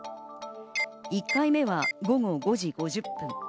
１回目は午後５時５０分。